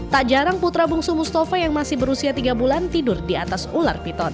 tak jarang putra bungsu mustafa yang masih berusia tiga bulan tidur di atas ular piton